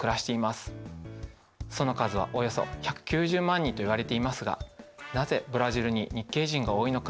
その数はおよそ１９０万人といわれていますがなぜブラジルに日系人が多いのか